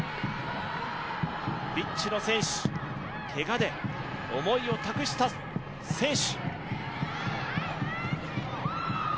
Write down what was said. ピッチの選手、けがで思いを託した選手。